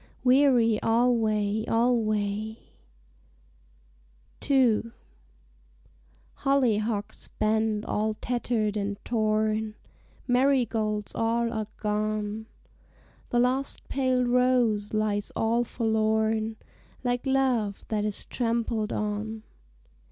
Weary alway, alway!_" II Hollyhocks bend all tattered and torn, Marigolds all are gone; The last pale rose lies all forlorn, Like love that is trampled on.